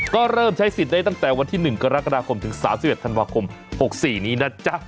ก็เริ่มใช้สิทธิ์ได้ตั้งแต่วันที่๑กรกฎาคมถึง๓๑ธันวาคม๖๔นี้นะจ๊ะ